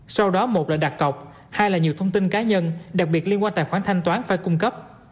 sau đó một là đặt cọc hai là nhiều thông tin cá nhân đặc biệt liên quan tài khoản thanh toán phải cung cấp